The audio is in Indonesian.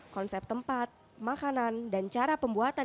konsep tempat makanan dan cara pembuatan